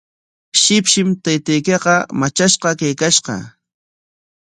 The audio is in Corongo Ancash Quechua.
Shipshim taytaykiqa matrashqa kaykashqa.